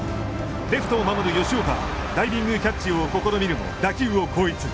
レフトを守る吉岡はダイビングキャッチを試みるも打球を後逸。